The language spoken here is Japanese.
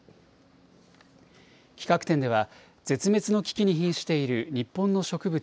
企画展では、絶滅の危機にひんしている日本の植物